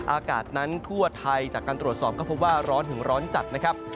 อากาศนั้นทั่วไทยจากการตรวจสอบก็พบว่าร้อนถึงร้อนจัดนะครับ